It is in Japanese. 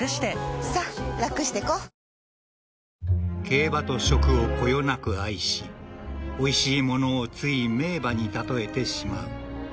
［競馬と食をこよなく愛しおいしいものをつい名馬に例えてしまう］